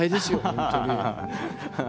本当に。